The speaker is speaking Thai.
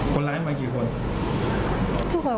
คนร้ายมากี่คน